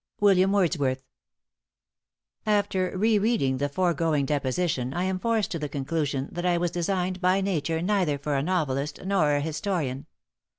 WILLIAM WORDSWORTH. After rereading the foregoing deposition I am forced to the conclusion that I was designed by nature neither for a novelist nor a historian.